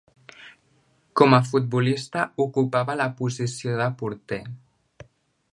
Com a futbolista, ocupava la posició de porter.